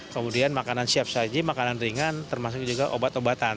kemudian makanan siap saji makanan ringan termasuk juga obat obatan